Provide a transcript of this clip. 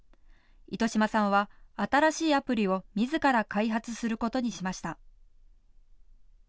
糸島さんは、新しいアプリをみずから開発することにしました。